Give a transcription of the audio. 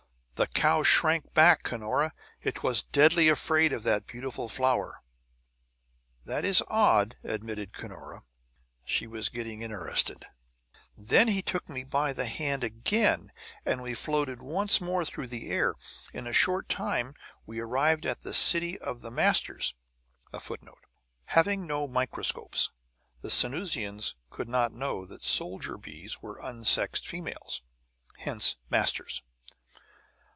"The cow shrank back, Cunora! 'Twas deadly afraid of that beautiful flower!" "That is odd," admitted Cunora. She was getting interested. "Then he took me by the hand again, and we floated once more through the air. In a short time we arrived at the city of the masters. [Footnote: "Having no microscopes, the Sanusians could not know that the soldier bees were unsexed females; hence, "masters."